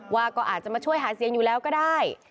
ว่าก็อาจจะมาช่วยหาเสียงอยู่แล้วก็ได้